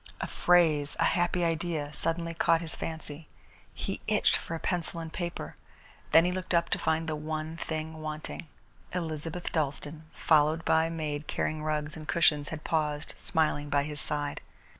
A phrase, a happy idea, suddenly caught his fancy. He itched for a pencil and paper. Then he looked up to find the one thing wanting. Elizabeth Dalstan, followed by a maid carrying rugs and cushions, had paused, smiling, by his side.